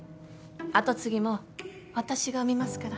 跡継ぎも私が産みますから。